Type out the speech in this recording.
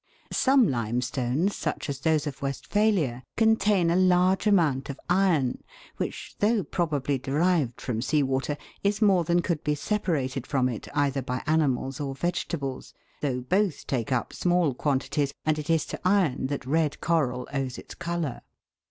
Some limestones, such as those of Westphalia, contain a large amount of iron which, though probably derived from sea water, is more than could be separated from it either by animals or vegetables, though both take up small quantities, and it is to iron that red coral owes its colour.